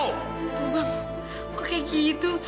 tuh bang kok kayak gitu